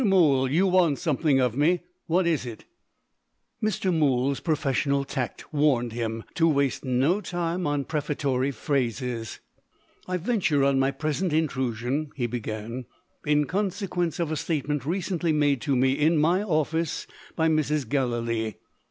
Mool, you want something of me. What is it?" Mr. Mool's professional tact warned him to waste no time on prefatory phrases. "I venture on my present intrusion," he began, "in consequence of a statement recently made to me, in my office, by Mrs. Gallilee."